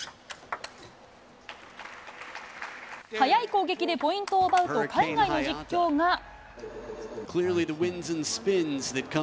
速い攻撃でポイントを奪うと海外の実況が。